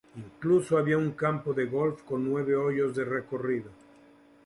Incluso había un campo de golf con nueve hoyos de recorrido.